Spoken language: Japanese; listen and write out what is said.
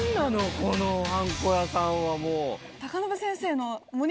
このはんこ屋さんはもう。